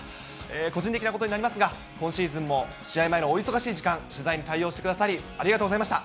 個人的なことになりますが、今シーズンも試合前のお忙しい時間、取材に対応してくださり、ありがとうございました。